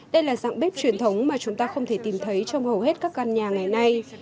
đây là dạng bếp truyền thống mà chúng ta không thể tìm thấy trong hầu hết các căn nhà ngày nay